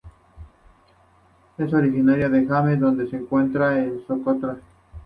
Es originaria de Yemen, donde se encuentra en Socotra.